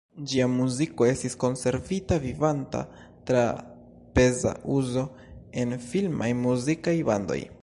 Ĝia muziko estis konservita vivanta tra peza uzo en filmaj muzikaj bandoj.